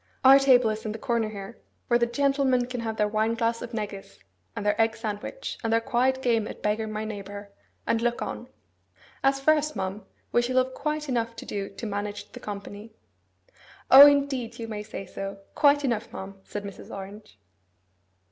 Our table is in the corner here, where the gentlemen can have their wineglass of negus, and their egg sandwich, and their quiet game at beggar my neighbour, and look on. As for us, ma'am, we shall have quite enough to do to manage the company.' 'O, indeed, you may say so! Quite enough, ma'am,' said Mrs. Orange.